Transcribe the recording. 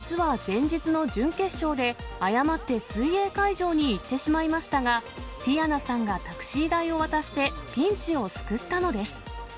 実は前日の準決勝で、誤って水泳会場に行ってしまいましたが、ティヤナさんがタクシー代を渡してピンチを救ったのです。